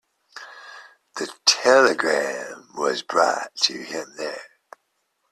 The telegram was brought to him there.